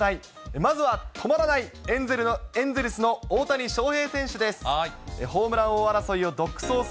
まずは止まらない、エンゼルスの大谷翔平選手です。